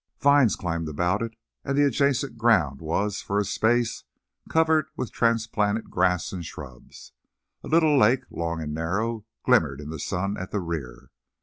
Vines climbed about it, and the adjacent ground was, for a space, covered with transplanted grass and shrubs. A little lake, long and narrow, glimmered in the sun at the rear.